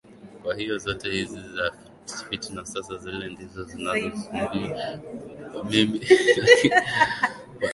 kwahiyo zote hizo ni fitna Sasa zile ndizo zinazonisumbua mimi Lakini kwa upande mwingine